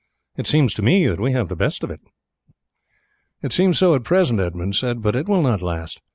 It seems to me that we have the best of it." "It seems so at present," Edmund said, "but it will not last.